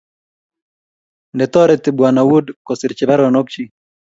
Netoreti Bw.Wood kosirchi baronokchi